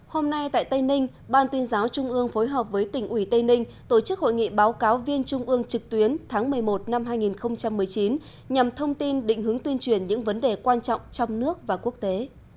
hôm nay tại tây ninh ban tuyên giáo trung ương phối hợp với tỉnh ủy tây ninh tổ chức hội nghị báo cáo viên trung ương trực tuyến tháng một mươi một năm hai nghìn một mươi chín nhằm thông tin định hướng tuyên truyền những vấn đề quan trọng trong nước và quốc tế